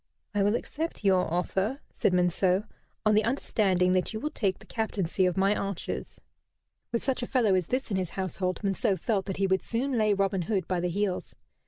"I will accept your offer," said Monceux, "on the understanding that you will take the captaincy of my archers." With such a fellow as this in his household Monceux felt that he would soon lay Robin Hood by the heels.